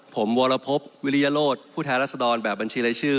ผมวรพบวิริยโลศผู้แทนรัศดรแบบบัญชีรายชื่อ